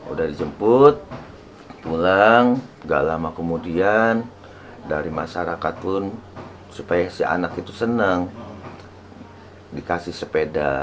udah dijemput pulang gak lama kemudian dari masyarakat pun supaya si anak itu senang dikasih sepeda